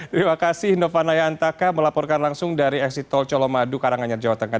terima kasih novanaya antaka melaporkan langsung dari eksitol colomadu karanganyar jawa tengah